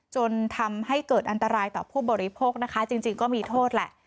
จนทำให้เกิดอันตรายต่อผู้บริโภคนะคะจริงก็มีโทษแหละ